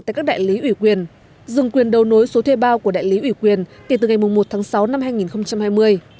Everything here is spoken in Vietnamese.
tại các đại lý ủy quyền dừng quyền đầu nối số thuê bao của đại lý ủy quyền kể từ ngày một tháng sáu năm hai nghìn hai mươi